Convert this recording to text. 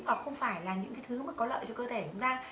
và không phải là những cái thứ có lợi cho cơ thể chúng ta